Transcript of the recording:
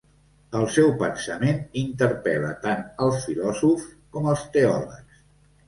El seu pensament interpel·la tant als filòsofs com als teòlegs.